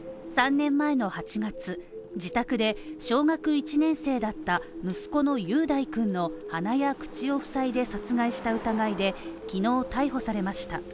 ３年前の８月、自宅で小学１年生だった息子の雄大君の鼻や口を塞いで殺害した疑いで昨日、逮捕されました。